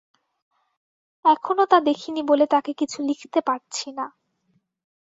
এখনও তা দেখিনি বলে তাঁকে কিছু লিখতে পারছি না।